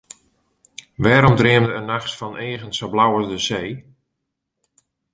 Wêrom dreamde er nachts fan eagen sa blau as de see?